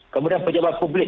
kemudian pejabat publik